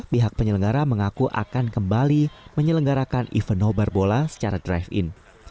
pihak penyelenggara mengaku akan kembali menyelenggarakan event nobar bola secara drive in